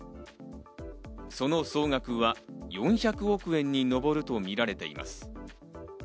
その総額は４００億円に上るとみられています。